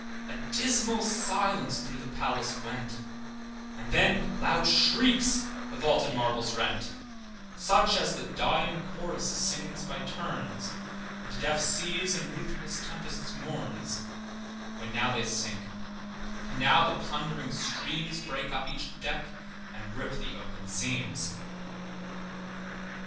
A dismal silence through the palace went, And then loud shrieks the vaulted marbles rent, Such as the dying chorus sings by turns, And to deaf seas, and ruthless tempests mourns, When now they sink, and now the plundering streams Break up each deck, and rip the oaken seams.